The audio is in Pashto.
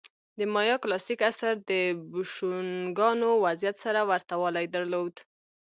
د مایا کلاسیک عصر د بوشونګانو وضعیت سره ورته والی درلود.